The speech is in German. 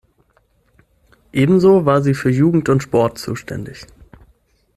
Ebenso war sie für Jugend und Sport zuständig.